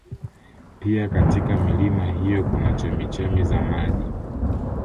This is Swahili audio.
Pia katika milima hiyo kuna chemichemi za maji